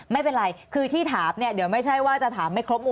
ไม่เป็นไรคือที่ถามไม่ใช่ว่าจะถามไม่ครบมุม